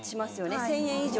１０００円以上。